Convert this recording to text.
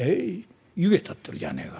湯気立ってるじゃねえか。